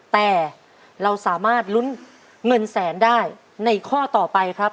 แต่เราสามารถลุ้นเงินแสนได้ในข้อต่อไปครับ